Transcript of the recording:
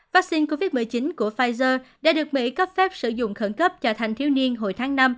vaccine covid một mươi chín của pfizer đã được mỹ cấp phép sử dụng khẩn cấp cho thành thiếu niên hồi tháng năm